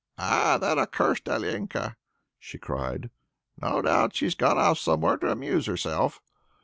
"Ah! that cursed Alenka!" she cried. "No doubt she's gone off somewhere to amuse herself."